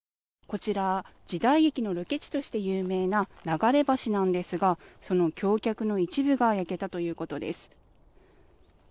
こちら時代劇のロケ地として有名な流れ橋なんですがその橋脚の一部が焼けたということです。